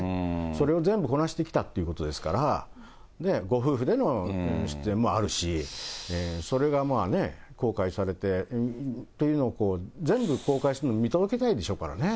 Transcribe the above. それを全部こなしてきたっていうことですから、ご夫婦での映画出演もあるし、それがまあね、公開されてっていうのを、全部公開するの見届けたいでしょうからね。